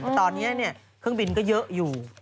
ตอนนี้เครื่องบินก็เยอะอยู่